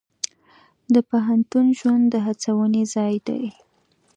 د پوهنتون ژوند د هڅونې ځای دی.